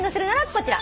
こちら。